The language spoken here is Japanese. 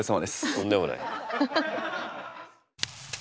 とんでもない。